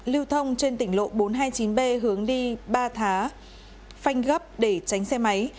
lưu thông trên tỉnh lộ bốn trăm hai mươi chín b hướng đi ba thá phanh gấp để tránh xe máy